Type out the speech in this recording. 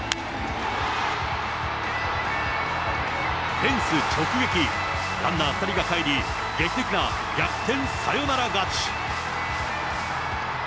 フェンス直撃、ランナー２人がかえり、劇的な逆転サヨナラ勝ち。